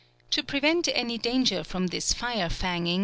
To prevent any danger from this rire fangine